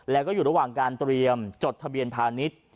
แล้วก็อยู่ระหว่างการเตรียมจดทะเบียนพาณิชย์